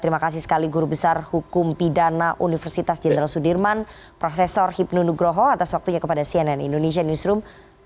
terima kasih sekali guru besar hukum pidana universitas jenderal sudirman prof hipnu nugroho atas waktunya kepada cnn indonesia newsroom